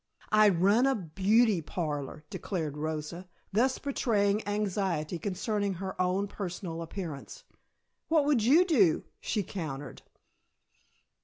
"I'd run a beauty parlor," declared Rosa, thus betraying anxiety concerning her own personal appearance. "What would you do?" she countered.